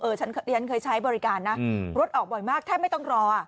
ฉันเคยใช้บริการนะรถออกบ่อยมากแทบไม่ต้องรอ